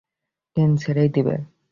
Train ছেড়েই দিবে।